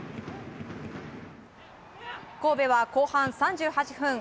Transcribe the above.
神戸は後半３８分